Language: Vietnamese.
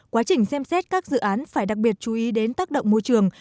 quá trình xem xét các dự án phải đặc biệt chú ý đến tác động môi trường